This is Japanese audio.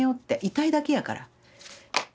痛いだけやから。